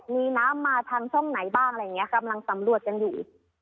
มีน้ำมาทางช่องไหนบ้างอะไรอย่างนี้กำลังสำรวจกันอยู่